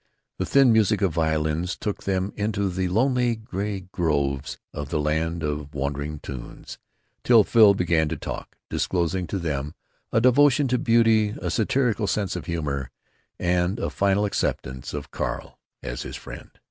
The thin music of violins took them into the lonely gray groves of the Land of Wandering Tunes, till Phil began to talk, disclosing to them a devotion to beauty, a satirical sense of humor, and a final acceptance of Carl as his friend.